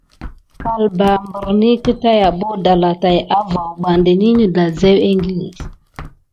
Kalbà meleketeni mqkuta dala ma taki avonba demi ke dansikiles.